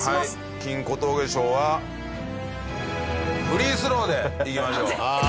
金小峠賞はフリースローでいきましょう。